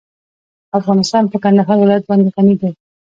افغانستان په کندهار ولایت باندې غني دی.